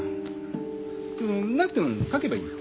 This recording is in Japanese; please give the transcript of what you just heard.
なくても書けばいいんだよ。